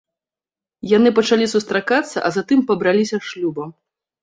Яны пачалі сустракацца, а затым пабраліся шлюбам.